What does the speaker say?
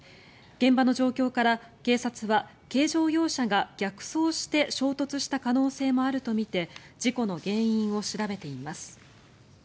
現場の状況から警察は軽乗用車が逆走して衝突した可能性もあるとみて事故の原因を調べています。